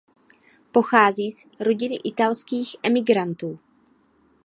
Pochází z rodiny italských emigrantů.